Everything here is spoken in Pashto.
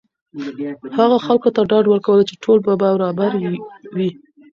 هغه خلکو ته ډاډ ورکولو چې ټول به برابر وي.